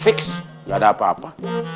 fix gak ada apa apa